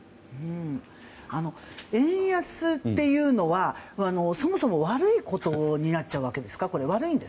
円安というのはそもそも悪いことになっちゃうわけですか？